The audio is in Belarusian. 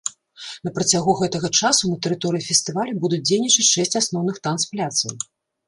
На працягу гэтага часу на тэрыторыі фестывалю будуць дзейнічаць шэсць асноўных танцпляцаў.